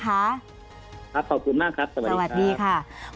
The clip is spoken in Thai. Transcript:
ครับขอบคุณมากสวัสดีครับ